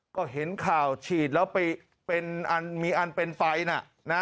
ก็เห็นข่าวฉีดแล้วมีอันเป็นไฟนะ